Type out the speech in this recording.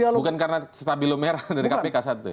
bukan karena stabilo merah dari kpk satu